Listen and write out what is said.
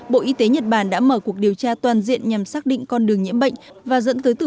bộ y tế nhật bản đã mở cuộc điều tra toàn diện nhằm xác định con đường nhiễm bệnh và dẫn tới tử